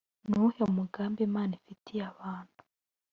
ni uwuhe mugambi imana ifitiye abantu